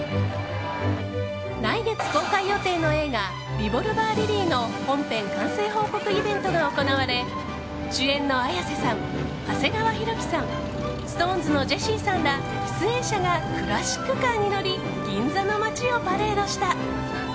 来月公開予定の映画「リボルバー・リリー」の本編完成報告イベントが行われ主演の綾瀬さん、長谷川博己さんＳｉｘＴＯＮＥＳのジェシーさんら出演者がクラシックカーに乗り銀座の街をパレードした。